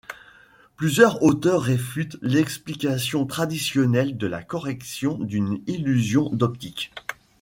Plusieurs auteurs réfutent l'explication traditionnelle de la correction d'une illusion d'optique.